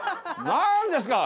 何ですか！